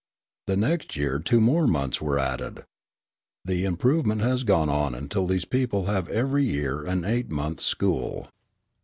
The next year two more months were added. The improvement has gone on until these people have every year an eight months' school.